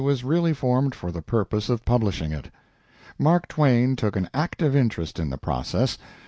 was really formed for the purpose of publishing it. Mark Twain took an active interest in the process.